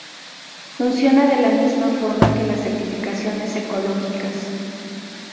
Funciona de la misma forma que las certificaciones ecológicas.